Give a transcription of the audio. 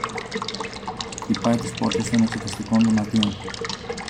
χτυπάει τις πόρτες των εξεταστικών δωματίων